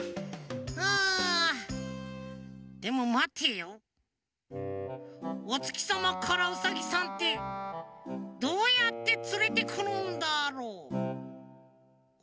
でもまてよおつきさまからウサギさんってどうやってつれてくるんだろう？